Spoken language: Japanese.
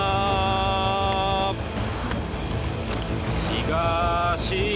東！